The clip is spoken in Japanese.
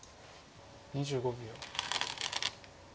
２５秒。